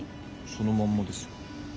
そのまんまですよ。